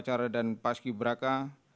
dan komandan paski braka